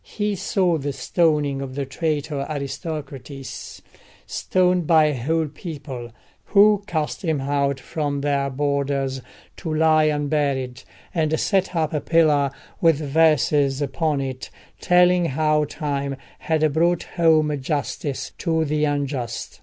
He saw the stoning of the traitor Aristocrates—stoned by a whole people, who cast him out from their borders to lie unburied, and set up a pillar with verses upon it telling how Time had brought home justice to the unjust.